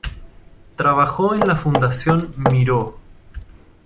Trabajó en la Fundación Miró.